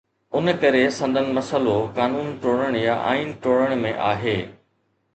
ان ڪري سندن مسئلو قانون ٽوڙڻ يا آئين ٽوڙڻ ۾ آهي.